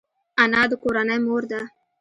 انا د کورنۍ مور ده